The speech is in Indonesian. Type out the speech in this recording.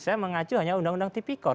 saya mengacu hanya undang undang tipikor